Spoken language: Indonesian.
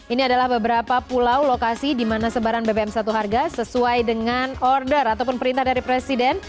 ini adalah beberapa pulau lokasi di mana sebaran bbm satu harga sesuai dengan order ataupun perintah dari presiden